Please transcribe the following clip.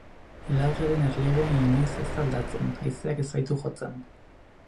Ilargiaren erliebea inoiz ez da aldatzen, haizeak ez baitu jotzen.